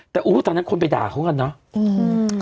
แต่ตอนนั้นคนไปด่าเขากันเนอะ